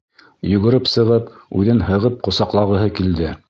Йүгереп сығып үҙен һығып ҡосаҡлағыһы килде.